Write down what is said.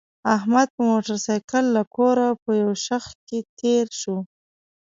احمد په موټرسایکل له کوره په یو شخ کې تېر شو.